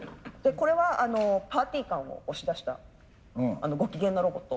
これはパーティー感を押し出したご機嫌なロボットなんですけど。